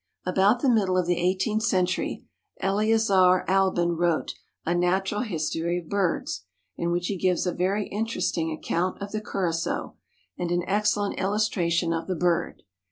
About the middle of the eighteenth century Eleazar Albin wrote "A Natural History of Birds," in which he gives a very interesting account of the Curassow and an excellent illustration of the bird.